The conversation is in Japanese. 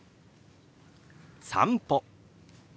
「散歩」。